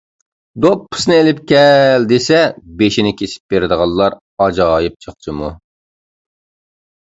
دوپپىسىنى ئېلىپ كەل دېسە، بېشىنى كېسىپ بېرىدىغانلار ئاجايىپ جىق جۇمۇ!